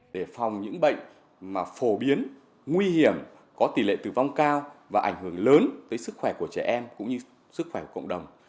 để phòng những bệnh phổ biến nguy hiểm có tỷ lệ tử vong cao và ảnh hưởng lớn tới sức khỏe của trẻ em cũng như sức khỏe của cộng đồng